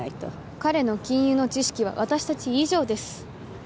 彼の金融の知識は私たち以上です。